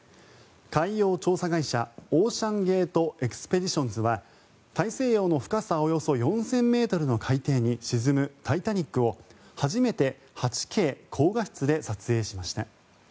海洋調査会社オーシャンゲート・エクスペディションズは大西洋の深さおよそ４０００ｍの海底に沈む「タイタニック」を初めて８Ｋ高画質で撮影しました。